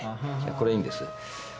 これはいいんです。